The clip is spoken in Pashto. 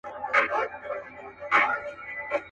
بې صبري وي بې ثمره صبر کړه خدای به مي درکړي.